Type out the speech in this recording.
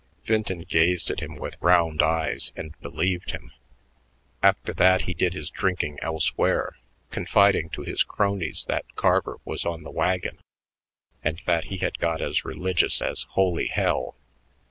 Vinton gazed at him with round eyes and believed him. After that he did his drinking elsewhere, confiding to his cronies that Carver was on the wagon and that he had got as religious as holy hell.